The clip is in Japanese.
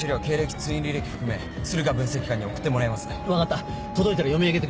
通院履歴含め駿河分析官に送ってもらいます。